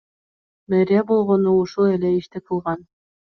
Мэрия болгону ушул эле ишти кылган.